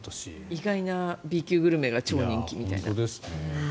意外なＢ級グルメが超人気みたいな。